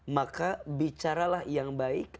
maka bicaralah yang baik